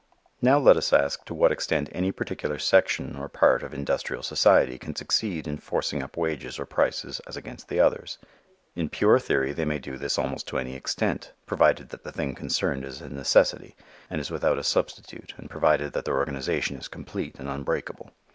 Now let us ask to what extent any particular section or part of industrial society can succeed in forcing up wages or prices as against the others. In pure theory they may do this almost to any extent, provided that the thing concerned is a necessity and is without a substitute and provided that their organization is complete and unbreakable.